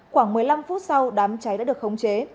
khoảng một mươi năm phút sau đám cháy đã được khống chế